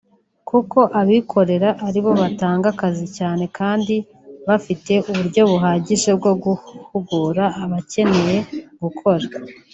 kuko abikorera aribo batanga akazi cyane kandi bafite uburyo buhagije bwo guhugura abakeneye gukora